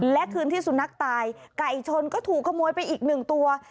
และคืนที่สุนัขตายไก่ชนก็ถูกขโมยไปอีกหนึ่งตัว